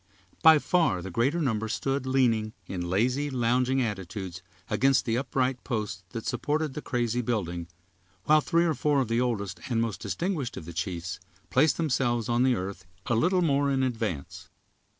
By far the greater number stood leaning, in lazy, lounging attitudes, against the upright posts that supported the crazy building, while three or four of the oldest and most distinguished of the chiefs placed themselves on the earth a little more in advance.